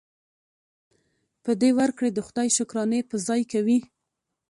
په دې ورکړې د خدای شکرانې په ځای کوي.